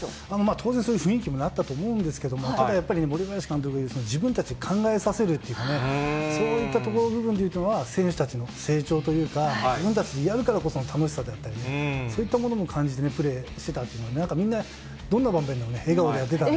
当然、その雰囲気もあったと思うんですけれども、ただやっぱり、もりばやし監督に、自分たちで考えさせるっていうかね、そういったところの部分で言うと、選手たちの成長というか、自分たちでやるからこそ楽しさであったり、そういったものも感じてプレーしてたっていうのがね、みんな、どんな場面でもね、笑顔でやってたんで。